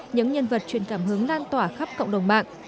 những nhân vật truyền cảm hứng lan tỏa khắp cộng đồng mạng